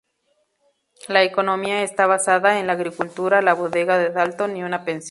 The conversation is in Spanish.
La economía está basada en la agricultura, la bodega de Dalton y una pensión.